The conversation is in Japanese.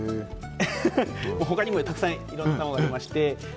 他にもたくさんいろんな卵がありまして。